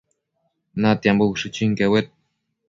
Natiambo ushë chënquedued